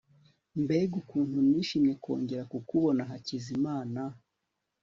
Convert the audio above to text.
mbega ukuntu nishimiye kongera kukubona, hakizimana